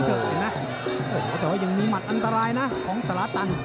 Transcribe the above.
แต่ว่ายังมีหมัดอันตรายนะของสลาตัน